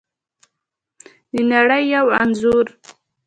د نړۍ یو انځور